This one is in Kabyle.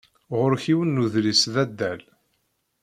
Ɣur-k yiwen n udlis d adal.